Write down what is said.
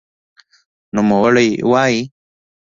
نوموړی وايي